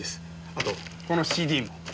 あとこのＣＤも。